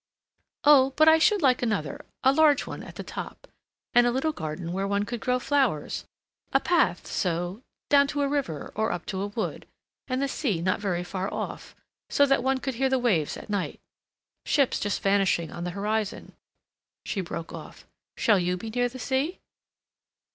Oh, but I should like another, a large one at the top, and a little garden where one could grow flowers. A path—so—down to a river, or up to a wood, and the sea not very far off, so that one could hear the waves at night. Ships just vanishing on the horizon—" She broke off. "Shall you be near the sea?"